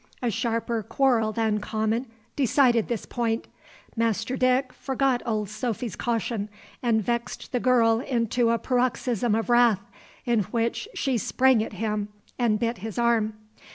A sharper quarrel than common decided this point. Master Dick forgot Old Sophy's caution, and vexed the girl into a paroxysm of wrath, in which she sprang at him and bit his arm.